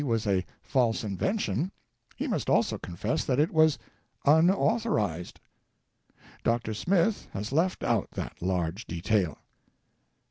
was a "false invention/5 he must also confess that it was "unau thorized" Dr. Smith has left out that large detail.